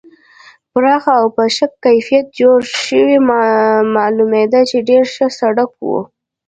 پراخ او په ښه کیفیت جوړ شوی معلومېده چې ډېر ښه سړک و.